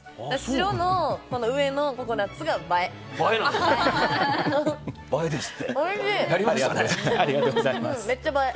白の上のココナツが映え。